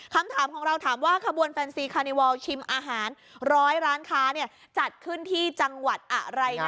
คำถามของเราถามว่าขบวนแฟนซีคานิวอลชิมอาหารร้อยร้านค้าจัดขึ้นที่จังหวัดอะไรนะ